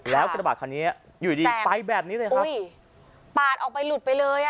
แล้วกระบาดคันนี้อยู่ดีไปแบบนี้เลยครับปาดออกไปหลุดไปเลยอ่ะ